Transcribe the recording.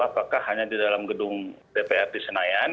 apakah hanya di dalam gedung dpr di senayan